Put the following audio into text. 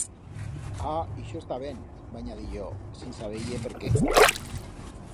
Ah, ixo está ben, va anyadir yo, sin saber-ie per qué.